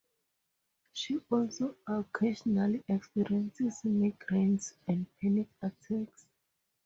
She also occasionally experiences migraines and panic attacks.